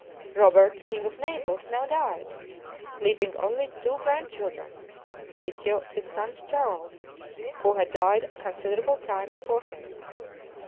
Robert king of Naples, now died, leaving only two grandchildren, the issue of his sons Charles, who had died a considerable time before him.